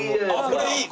これいい！